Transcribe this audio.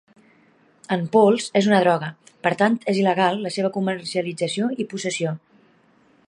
En pols és una droga, per tant és il·legal la seva comercialització i possessió.